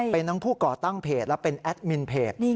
เป็นทั้งผู้ก่อตั้งเพจและเป็นแอดมินเพจ